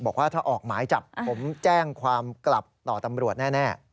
บอกว่าถ้าออกหมายจับผมแจ้งความกลับต่อตำรวจแน่